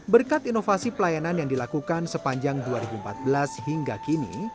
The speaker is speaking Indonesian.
berkat inovasi pelayanan yang dilakukan sepanjang dua ribu empat belas hingga kini